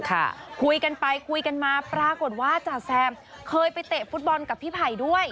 คุยกันไปคุยกันมาปรากฏว่าจ่าแซมเคยไปเตะฟุตบอลกับพี่ไผ่ด้วย